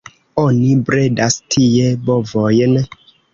Oni bredas tie bovojn.